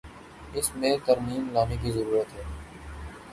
اس میں ترمیم لانے کی ضرورت ہے۔